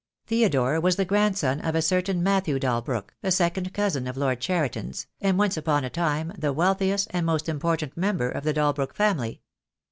Theodore was the grandson of a certain Matthew Dalbrook, a second cousin of Lord Cheriton's, and once upon a time the wealthiest and most important member of the Dalbrook family.